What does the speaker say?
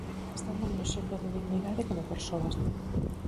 Están dando un exemplo de dignidade como persoas.